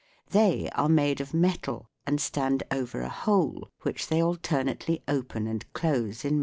They are made of metal and stand over a hole (Fig. 74), which they alternately open and on::; FIG.